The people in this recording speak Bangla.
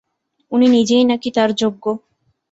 উনি নিজেই নাকি তার যোগ্য!